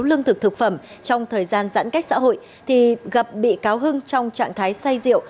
lương thực thực phẩm trong thời gian giãn cách xã hội thì gặp bị cáo hưng trong trạng thái say rượu